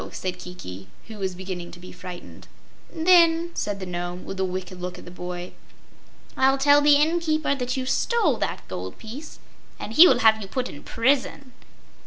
said Kiki, who was beginning to be frightened. "Then," said the Nome, with a wicked look at the boy, "I'll tell the inn keeper that you stole that gold piece and he will have you put in prison."